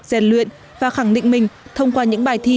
rèn luyện và khẳng định mình thông qua những bài thi